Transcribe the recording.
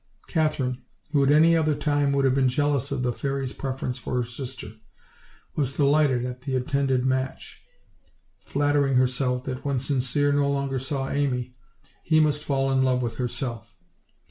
Kathcrine, who at any other time would have been jealous of the fairy's preference for her sister, was delighted at the intended match, flattering herself that when Sincere no longer saw Amy, he must fall in love with herself.